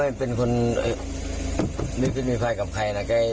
แล้วไปทะเลาะกันตอนไหน